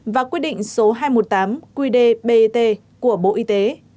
và quyết định số hai trăm một mươi tám qdbt của bộ y tế